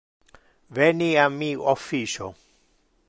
Veni a mi officio.